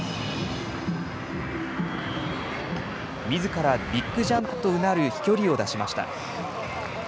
みずからビッグジャンプとうなる飛距離を出しました。